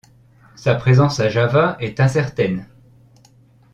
Sa présence à Java est incertaine.